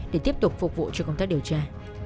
để tiếp tục phục vụ cho công tác điều tra